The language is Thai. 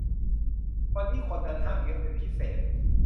วันนี้คนเดินห้างเยอะเป็นพิเศษ